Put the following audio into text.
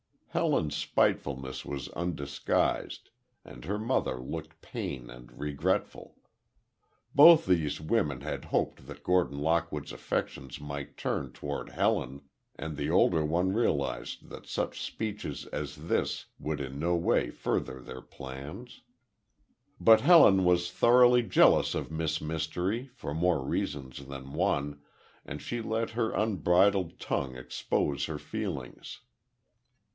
Helen's spitefulness was undisguised, and her mother looked pained and regretful. Both these women had hoped that Gordon Lockwood's affections might turn toward Helen, and the older one realized that such speeches as this would in no way further their plans. But Helen was thoroughly jealous of Miss Mystery, for more reasons than one, and she let her unbridled tongue expose her feelings.